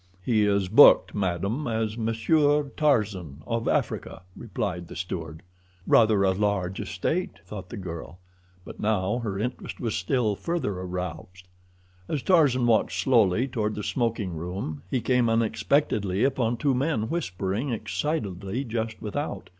"He is booked, madam, as Monsieur Tarzan, of Africa," replied the steward. "Rather a large estate," thought the girl, but now her interest was still further aroused. As Tarzan walked slowly toward the smoking room he came unexpectedly upon two men whispering excitedly just without.